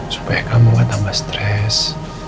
supaya kamu gak tambah stres